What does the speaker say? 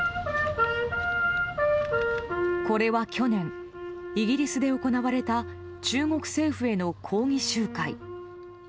これは去年イギリスで行われた中国政府への抗議集会。